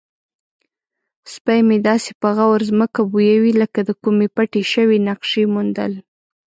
سپی مې داسې په غور ځمکه بویوي لکه د کومې پټې شوې نقشې موندل.